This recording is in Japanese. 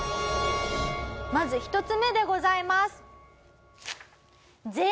まず１つ目でございます。